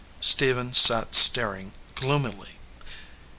Stephen sat staring gloomily.